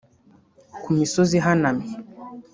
ku misozi ihanamye